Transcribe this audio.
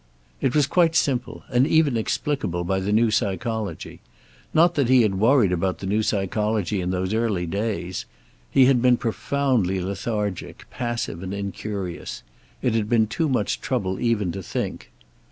It was quite simple, and even explicable by the new psychology. Not that he had worried about the new psychology in those early days. He had been profoundly lethargic, passive and incurious. It had been too much trouble even to think.